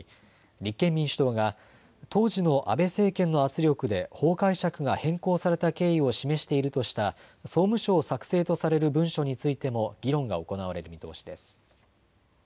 立憲民主党が当時の安倍政権の圧力で法解釈が変更された経緯を示しているとした総務省作成とされる文書についても議論が行われる見通しです。